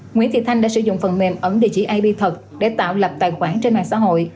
nguyễn thị thanh đã sử dụng phần mềm ẩn địa chỉ ip thật để tạo lập tài khoản trên mạng xã hội